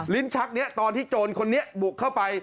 ชักนี้ตอนที่โจรคนนี้บุกเข้าไป